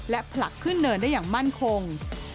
และผลักขึ้นเนินได้อย่างมั่นคง